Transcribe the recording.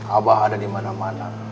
abah ada dimana mana